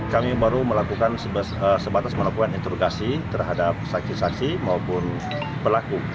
kami baru melakukan sebatas melakukan introgasi terhadap saksi saksi maupun pelaku